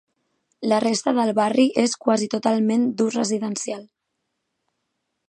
La resta del barri és quasi totalment d'ús residencial.